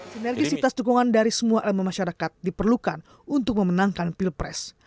sinergisitas dukungan dari semua elemen masyarakat diperlukan untuk memenangkan pilpres